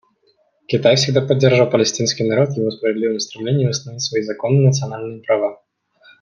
Китай всегда поддерживал палестинский народ в его справедливом стремлении восстановить свои законные национальные права.